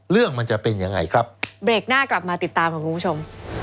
เรื่องมันจะเป็นยังไงครับเบรกหน้ากลับมาติดตามค่ะคุณผู้ชม